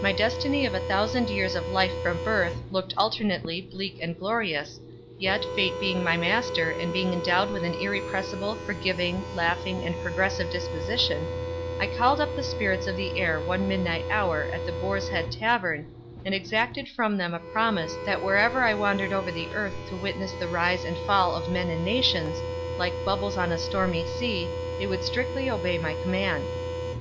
My destiny of a thousand years of life from birth, looked alternately, bleak and glorious, yet Fate being my master, and being endowed with an irrepressible, forgiving, laughing and progressive disposition, I called up the spirits of the air one midnight hour at the Boar's Head Tavern, and exacted from them a promise that wherever I wandered over the earth to witness the rise and fall of men and nations, like bubbles on a stormy sea, they would strictly obey my command.